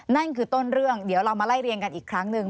นั่นคือต้นเรื่องเดี๋ยวเรามาไล่เรียงกันอีกครั้งหนึ่ง